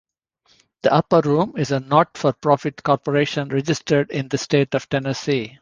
The Upper Room is a not-for-profit corporation registered in the state of Tennessee.